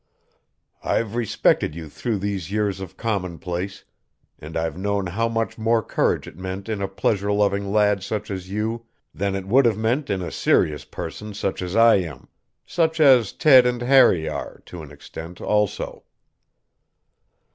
I've respected you through these years of commonplace, and I've known how much more courage it meant in a pleasure loving lad such as you than it would have meant in a serious person such as I am such as Ted and Harry are, to an extent, also."